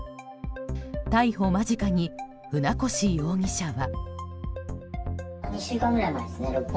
逮捕間近に船越容疑者は。